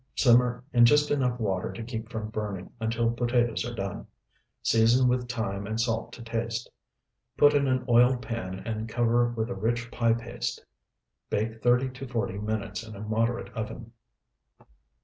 Simmer in just enough water to keep from burning until potatoes are done. Season with thyme and salt to taste. Put in an oiled pan and cover with a rich pie paste. Bake thirty to forty minutes in a moderate oven.